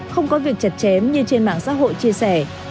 không có việc chặt chém như trên mạng xã hội chia sẻ